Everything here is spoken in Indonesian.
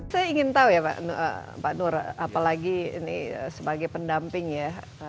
saya ingin tahu ya pak nur apalagi ini sebagai pendamping ya